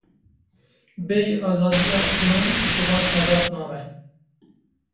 Bêyî azadiya jinan civat azad nabe.